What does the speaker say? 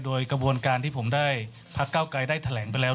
ความเก้าการที่ผมได้ภรรษาเก้าไกรได้แถลงไปแล้ว